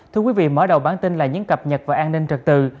thưa quý vị mở đầu bản tin là những cập nhật về an ninh trật tự